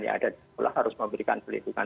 yang ada di sekolah harus memberikan perlindungan